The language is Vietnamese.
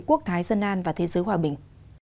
quốc thái dân an và thế giới hòa bình